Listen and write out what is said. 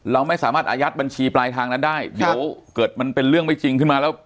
เราไม่สามารถอายัดบัญชีปลายทางนั้นได้เดี๋ยวเกิดมันเป็นเรื่องไม่จริงขึ้นมาแล้ว